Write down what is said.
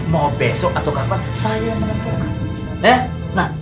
mau besok atau kapan saya yang menentukan